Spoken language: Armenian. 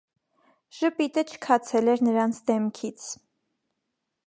Ժպիտը չքացել էր նրանց դեմքից: